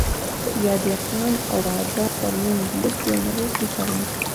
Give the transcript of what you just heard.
يا دهقان او بادار ترمنځ ،لوستي او نالوستي ترمنځ